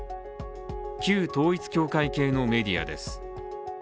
旧統一教会系のメディアです。